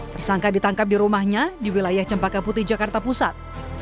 tersangka ditangkap di rumahnya di wilayah cempaka putih jakarta pusat